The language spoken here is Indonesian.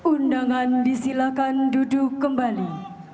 undangan disilakan duduk kembali